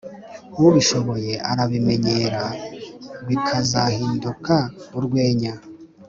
ubishoboye arabimenyera, bikazahinduka urwenya,